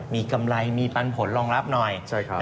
มีกำไรมีปันผลรองรับหน่อย